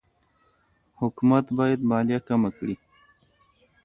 حکومت باید مالیه کمه کړي.